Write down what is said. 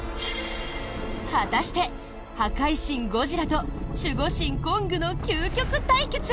．果たして、破壊神ゴジラと守護神コングの究極対決